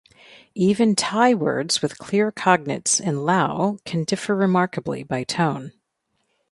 Even Thai words with clear cognates in Lao can differ remarkably by tone.